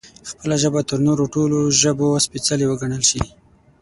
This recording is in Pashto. خپله ژبه تر نورو ټولو ژبو سپېڅلې وګڼل شي